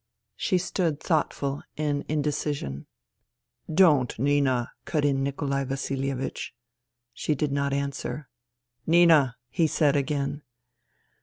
She stood thoughtful, in indecision. "Don't, Nina," cut in Nikolai Vasilievich. She did not answer. " Nina," he said again.